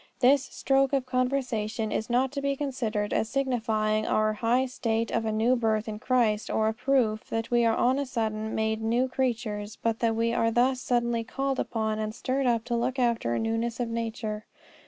This stroke of conversion is not to be considered as signifying our high state of a new birth in Christ, or a proof that we are on a sudden made new creatures, but that we are thus suddenly called upon and stirred up to look after a newness of nature.